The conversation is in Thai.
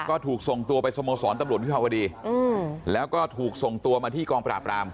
ก็ถูกส่งตัวไปสโมสรตำรวจวิภาวดีแล้วก็ถูกส่งตัวมาที่กองปราบราม